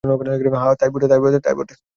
হ্যাঁ, তাই বটে।